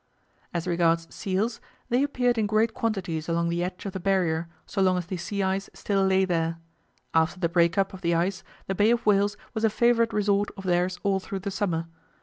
As regards seals, they appeared in great quantities along the edge of the Barrier so long as the sea ice still lay there; after the break up of the ice the Bay of Whales was a favourite resort of theirs all through the summer.